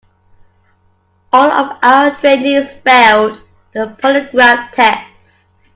All of our trainees failed the polygraph test.